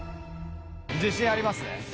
自信ありますね。